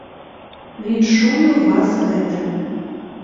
Віншую вас з гэтым!